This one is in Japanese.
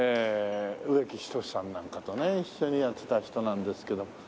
植木等さんなんかとね一緒にやってた人なんですけど。